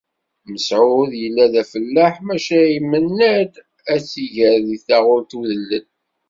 Mesεud yella d afellaḥ maca imenna-d ad tt-iger deg taɣult udellel.